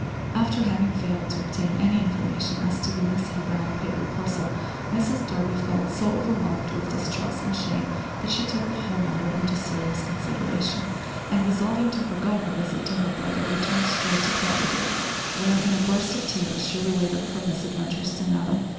After having failed to obtain any information as to the missing brown paper parcel, Mrs Durby felt so overwhelmed with distress and shame that she took the whole matter into serious consideration, and, resolving to forego her visit to her brother, returned straight to Clatterby, where, in a burst of tears, she related her misadventures to Netta.